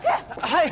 はい。